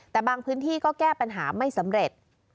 แต่บางพื้นที่ก็แก้ปัญหาไม่สำเร็จ